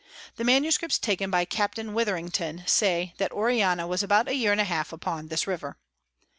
The Manuscripts taken by Capt. Withrington say that Orellana was about a Year and half upon this River.